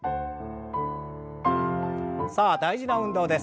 さあ大事な運動です。